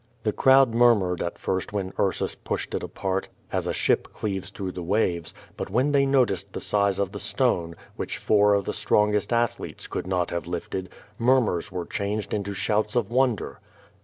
The crowd murmured at first when Ursus pushed it apart, as a ship cleaves through the waves, but when they noticed the size of the stone, which four of the strongest athletes could not have lifted, murmurs were changed into shouts of wonder.